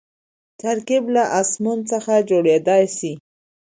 ترکیب له اسمونو څخه جوړېدای سي.